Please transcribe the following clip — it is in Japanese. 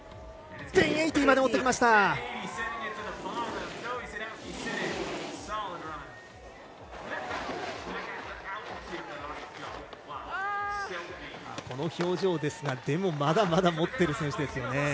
今のような表情ですがでもまだまだ持っている選手ですね。